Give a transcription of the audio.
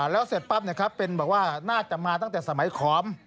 แล้วเสร็จปั๊บเป็นบอกว่าน่าจะมาตั้งแต่สมัยขอม